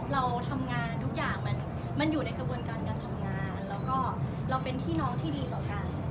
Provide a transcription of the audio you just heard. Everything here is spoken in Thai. เราทำงานทุกอย่างมันอยู่ในกระบวนการการทำงานแล้วก็เราเป็นพี่น้องที่ดีต่อกัน